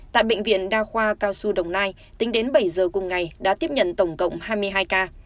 tại bệnh viện đa khoa cao xu đồng nai tính đến bảy giờ cùng ngày đã tiếp nhận tổng cộng hai mươi hai ca